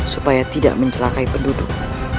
supaya tidak mencelakai penduduk